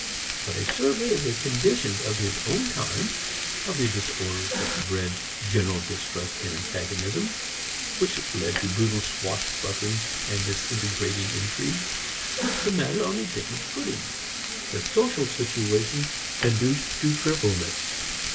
But a survey of the conditions of his own time, of the disorders which bred general distrust and antagonism, which led to brutal swashbuckling and disintegrating intrigue, puts the matter on a different footing. The social situation conduced to fearfulness.